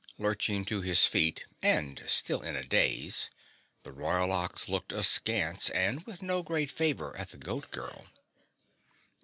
Lurching to his feet and still in a daze, the Royal Ox looked askance and with no great favor at the Goat Girl.